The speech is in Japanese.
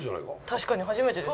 確かに初めてです。